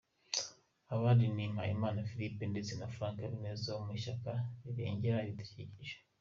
Abandi ni Mpayimana Philippe ndetse na Franck Habineza wo mu ishyaka rirengera ibidukikije.